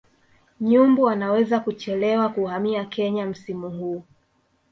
Nyumbu wanaweza kuchelewa kuhamia Kenya msimu huu